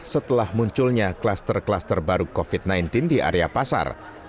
setelah munculnya kluster kluster baru covid sembilan belas di area pasar